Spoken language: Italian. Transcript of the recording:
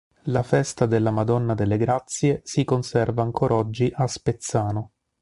La festa della Madonna delle Grazie si conserva ancor oggi a Spezzano.